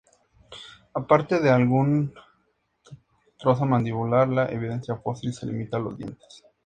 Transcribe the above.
Aparte de algún trozo mandibular, la evidencia fósil se limita a los dientes.